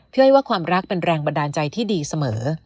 อ้อยว่าความรักเป็นแรงบันดาลใจที่ดีเสมอ